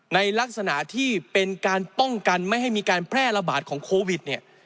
ในลักษณะที่เป็นการป้องกันไม่ให้มีการแพร่ระบาดของโควิดเนี่ย